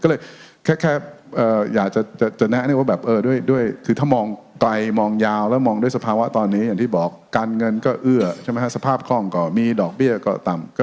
ก็เลยแค่อยากจะแนะนึกว่าแบบเออด้วยคือถ้ามองไกลมองยาวแล้วมองด้วยสภาวะตอนนี้อย่างที่บอกการเงินก็เอื้อใช่ไหมฮะสภาพคล่องก็มีดอกเบี้ยก็ต่ำ